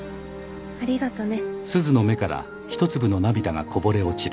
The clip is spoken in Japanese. ありがとね。